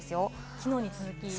昨日に続き。